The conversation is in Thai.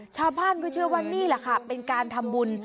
ชาวบ้านก็เชื่อว่านี่แหละค่ะเป็นการทำบุญ